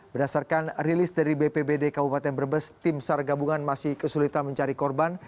berdasarkan rilis dari bpbd kabupaten brebes tim sar gabungan masih kesulitan mencari korban